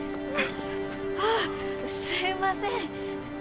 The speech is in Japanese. あっすいませんつい。